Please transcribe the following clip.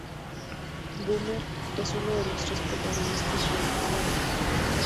Boomer es uno de los tres protagonistas de la serie.